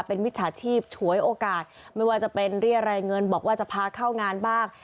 เป็นมิจฉาชีพฉวยโอกาสไม่ว่าจะเป็นเรียรายเงินบอกว่าจะพาเข้างานบ้าง